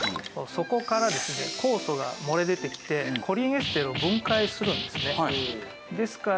酵素が漏れ出てきてコリンエステルを分解するんですね。